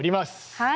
はい。